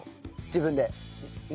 自分で。